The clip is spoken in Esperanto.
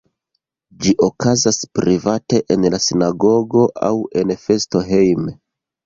Ĝi okazas private en la sinagogo aŭ en festo hejme.